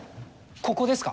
ここですか？